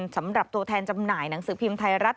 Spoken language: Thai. สำหรับตัวแทนจำหน่ายหนังสือพิมพ์ไทยรัฐ